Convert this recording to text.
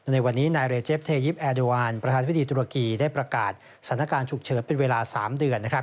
ในวันนี้นายเรเจฟเทยิปแอเดวานประธานพิธีตุรกีได้ประกาศสถานการณ์ฉุกเฉินเป็นเวลา๓เดือน